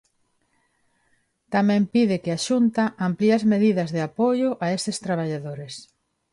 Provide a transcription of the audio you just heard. Tamén pide que a Xunta amplíe as medidas de apoio a estes traballadores.